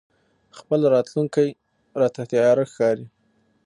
خپله راتلونکې راته تياره ښکاري.